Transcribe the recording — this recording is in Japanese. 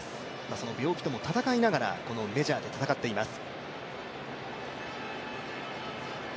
その病気とも闘いながら、このメジャーで戦っています。